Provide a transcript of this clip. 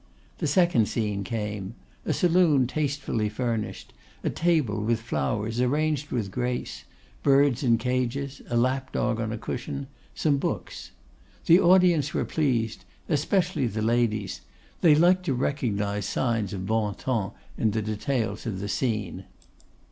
The second scene came; a saloon tastefully furnished; a table with flowers, arranged with grace; birds in cages, a lap dog on a cushion; some books. The audience were pleased; especially the ladies; they like to recognise signs of bon ton in the details of the scene.